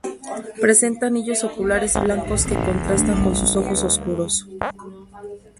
Presenta anillos oculares blancos que contrastan con sus ojos oscuros.